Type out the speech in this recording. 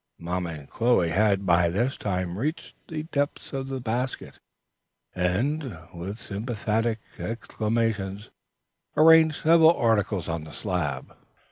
Mamma and Chloe had by this time reached the depths of the basket, and, with sympathetic exclamations, arranged several articles on the slab.